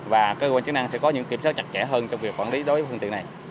và cơ quan chức năng sẽ có những kiểm soát chặt chẽ hơn trong việc quản lý đối với phương tiện này